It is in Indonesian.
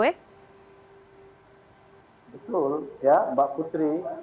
betul ya mbak putri